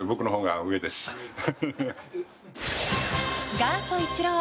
元祖イチロー！